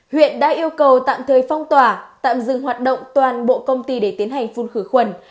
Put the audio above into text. huyện đã yêu cầu tạm thời phong tỏa tạm dừng hoạt động toàn bộ công ty để tiến hành phun khử khuẩn